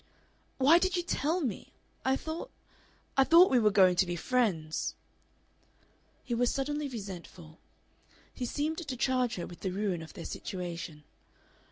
"Why did you tell me? I thought I thought we were going to be friends." He was suddenly resentful. He seemed to charge her with the ruin of their situation.